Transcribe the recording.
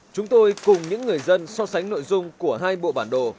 chúng tôi cùng những người dân so sánh nội dung của hai bộ bản đồ